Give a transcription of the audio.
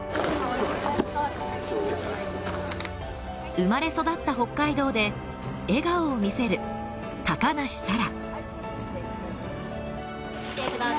生まれ育った北海道で笑顔を見せる高梨沙羅。